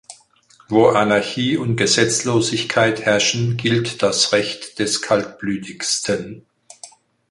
Wo Anarchie und Gesetzlosigkeit herrschen, gilt das Recht des Kaltblütigsten.